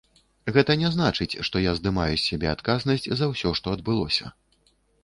Гэта не значыць, што я здымаю з сябе адказнасць за ўсё, што адбылося.